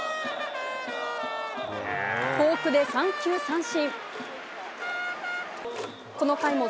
フォークで三球三振。